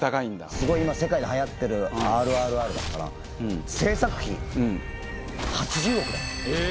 すごい今、世界ではやっているＲＲＲなんか制作費、８０億だよ。